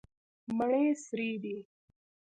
مڼې سرې دي.